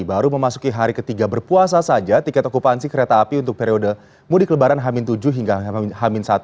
baru memasuki hari ketiga berpuasa saja tiket okupansi kereta api untuk periode mudik lebaran hamin tujuh hingga h satu